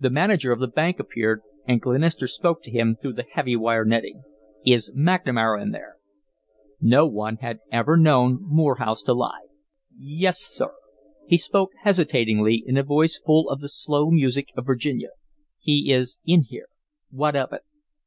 The manager of the bank appeared, and Glenister spoke to him through the heavy wire netting. "Is McNamara in there?" No one had ever known Morehouse to lie. "Yes, sir." He spoke hesitatingly, in a voice full of the slow music of Virginia. "He is in here. What of it?"